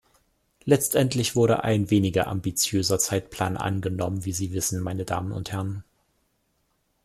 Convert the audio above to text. Letztendlich wurde ein weniger ambitiöser Zeitplan angenommen, wie Sie wissen, meine Damen und Herren.